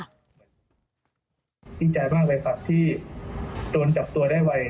ดีใจมากเลยครับที่โดนจับตัวได้ไว